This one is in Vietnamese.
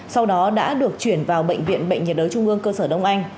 sau đó đã được chuyển vào bệnh viện bệnh nhiệt đới trung ương cơ sở đông anh